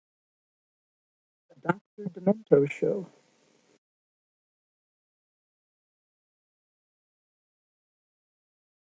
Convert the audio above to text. His comedic singing has even been featured on "The Doctor Demento Show".